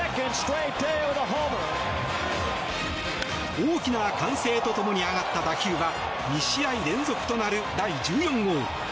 大きな歓声と共に上がった打球は２試合連続となる第１４号。